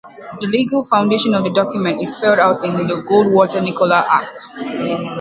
The legal foundation for the document is spelled out in the Goldwater-Nichols Act.